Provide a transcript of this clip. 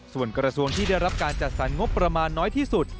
ส่วนกระทรวงที่ได้รับการจัดสรรงบประมาณน้อยที่สุด